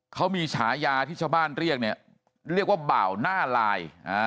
เขามีฉายาที่ชาวบ้านเรียกเนี่ยเรียกว่าบ่าวหน้าลาย